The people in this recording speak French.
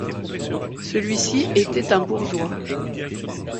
Celui-ci était un bourgeois.